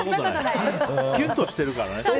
キュンとしてるからね。